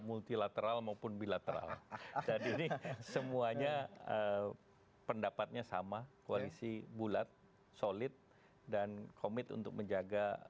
multilateral maupun bilateral dan ini semuanya pendapatnya sama koalisi bulat solid dan komit untuk menjaga